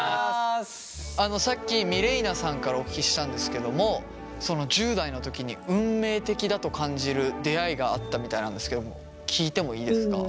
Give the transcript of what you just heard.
さっきミレイナさんからお聞きしたんですけども１０代の時に運命的だと感じる出会いがあったみたいなんですけれども聞いてもいいですか？